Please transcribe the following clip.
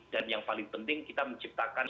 dan yang paling penting kita menciptakan